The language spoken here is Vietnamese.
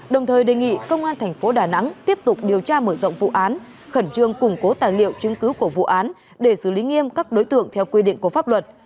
đồng thời đề nghị công an thành phố đà nẵng tiếp tục điều tra mở rộng vụ án khẩn trương củng cố tài liệu chứng cứ của vụ án để xử lý nghiêm các đối tượng theo quy định của pháp luật